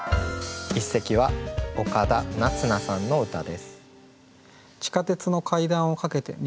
一席は岡田捺那さんの歌です。